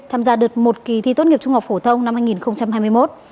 tham gia đợt một kỳ thi tốt nghiệp trung học phổ thông năm hai nghìn hai mươi một